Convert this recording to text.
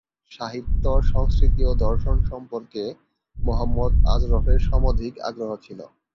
সাহিত্য, সংস্কৃতি ও দর্শন সম্পর্কে মোহাম্মদ আজরফের সমধিক আগ্রহ ছিল।